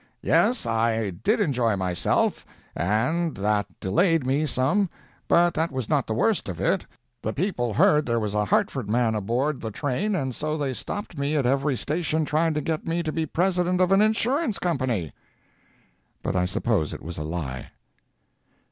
"Yes, I did enjoy myself, and that delayed me some but that was not the worst of it. The people heard there was a Hartford man aboard the train, and so they stopped me at every station trying to get me to be president of an insurance company!" But I suppose it was a lie.